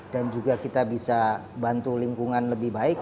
dan juga kita bisa bantu lingkungan lebih baik